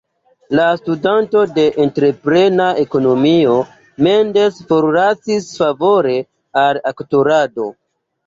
La studadon de entreprena ekonomio, Mendes forlasis favore al aktorado.